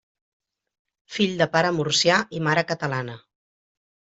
Fill de pare murcià i mare catalana.